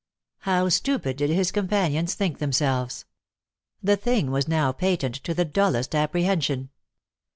How stupid did his companions think themselves. The thing was now patent to the dullest apprehension.